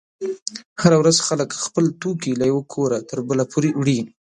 هره ورځ خلک خپل توکي له یوه کوره تر بله پورې وړي.